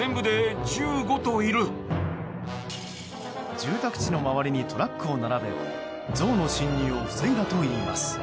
住宅地の周りにトラックを並べゾウの進入を防いだといいます。